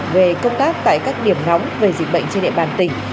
về công tác tại các điểm nóng về dịch bệnh trên địa bàn tỉnh